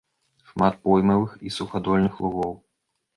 Шмат поймавых і сухадольных лугоў.